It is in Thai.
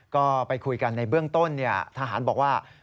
ก็ไปคุยกันในเบื้องต้นทหารบอกว่า